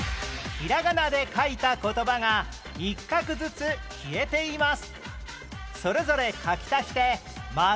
ひらがなで書いた言葉が一画ずつ消えています。